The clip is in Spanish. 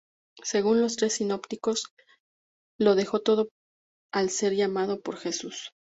Según los tres sinópticos, lo dejó todo al ser llamado por Jesús.